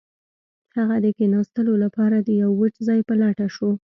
هغه د کښیناستلو لپاره د یو وچ ځای په لټه شو